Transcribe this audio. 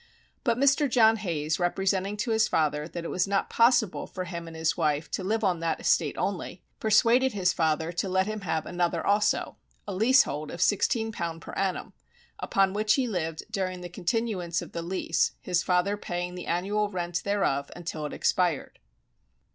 But Mr. John Hayes representing to his father that it was not possible for him and his wife to live on that estate only, persuaded his father to let him have another also, a leasehold of sixteen pound per annum; upon which he lived during the continuance of the lease, his father paying the annual rent thereof until it expired.